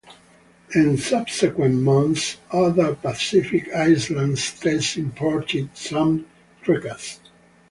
In subsequent months, other Pacific island states imported some Trekkas.